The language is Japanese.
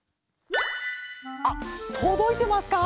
あっとどいてますか？